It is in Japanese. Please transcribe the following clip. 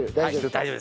大丈夫？